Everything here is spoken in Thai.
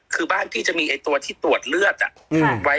คือบ้านพี่จะมีตัวที่ตรวจเลือดไว้